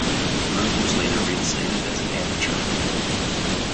Rube was later reinstated as an amateur.